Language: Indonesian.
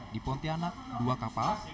di pontianak dua kapal